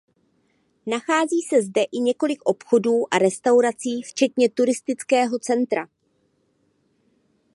Nachází se zde i několik obchodů a restaurací včetně turistického centra.